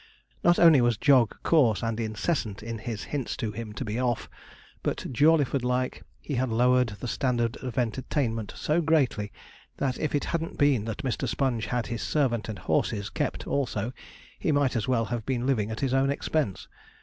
Not only was Jog coarse and incessant in his hints to him to be off, but Jawleyford like he had lowered the standard of entertainment so greatly, that if it hadn't been that Mr. Sponge had his servant and horses kept also, he might as well have been living at his own expense.